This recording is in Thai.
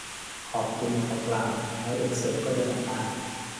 ขอบคุณ เขากล่าว แล้วเด็กเสิร์ฟก็เดินออกมา